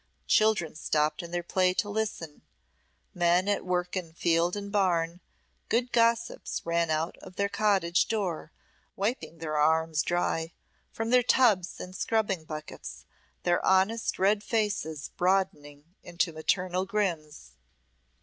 Children stopped in their play to listen, men at their work in field and barn; good gossips ran out of their cottage door, wiping their arms dry, from their tubs and scrubbing buckets, their honest red faces broadening into maternal grins.